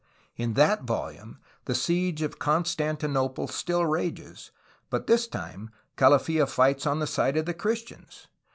In that volume the siege of Con stantinople still rages, but this time Calafla fights on the side of the Christians.